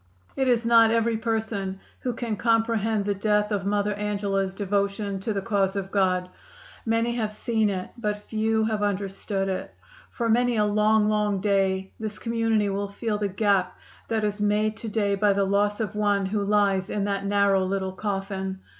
It is not every person who can comprehend the depth of Mother Angela's devotion to the cause of God. Many have seen it but few have understood it.... For many a long, long day this community will feel the gap that is made to day by the loss of one who lies in that narrow, little coffin....